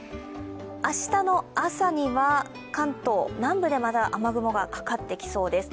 明日の朝には、関東南部で、また雨雲がかかってきそうです。